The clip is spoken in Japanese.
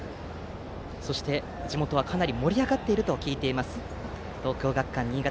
そして地元はかなり盛り上がっていると聞いています、東京学館新潟。